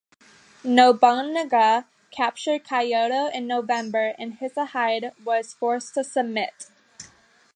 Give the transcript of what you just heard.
Nobunaga captured Kyoto in November and Hisahide was forced to submit.